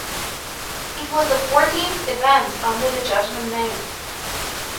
It was the fourteenth event under the Judgement name.